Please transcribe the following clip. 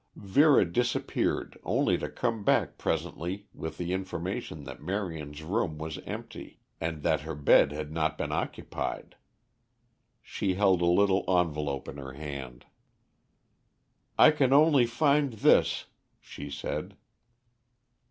Vera disappeared only to come back presently with the information that Marion's room was empty, and that her bed had not been occupied. She held a little envelope in her hand. "I can only find this," she said.